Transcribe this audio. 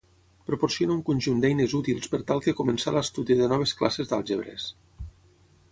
Proporciona un conjunt d'eines útils per tal que començar l'estudi de noves classes d'àlgebres.